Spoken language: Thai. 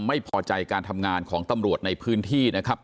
ไม่พอใจการทำงานของตำรวจในพื้นที่นะครับ